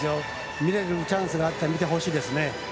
見れるチャンスがあったら見てほしいですね。